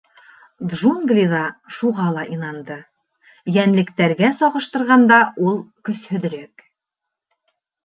Джунглиҙа шуға ла инанды: йәнлектәргә сағыштырғанда ул көсһөҙөрәк.